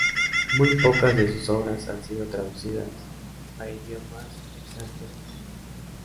Muy pocas de sus obras han sido traducidas a idiomas extranjeros.